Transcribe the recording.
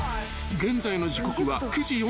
［現在の時刻は９時４０分］